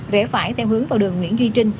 rẽ phải theo hướng vào đường nguyễn duy trinh